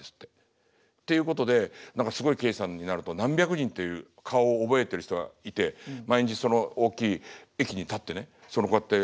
っていうことで何かすごい刑事さんになると何百人という顔を覚えてる人がいて毎日その大きい駅に立ってねそのこうやって。